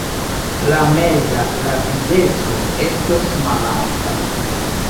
La meza rapideco estos malalta.